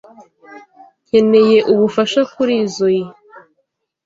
Nkeneye ubufasha kurizoi.